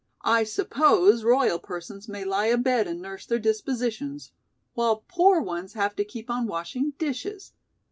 "I suppose royal persons may lie abed and nurse their dispositions, while poor ones have to keep on washing dishes.